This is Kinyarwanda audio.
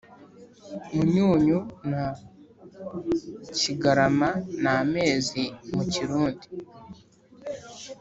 , Munyonyo na Kigarama ni amezi mu kirundi